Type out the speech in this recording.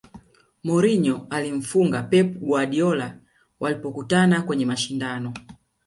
mourinho alimfunga pep guardiola walipokutana kwenye mashindano